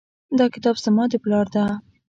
دا کتاب زما د پلار ده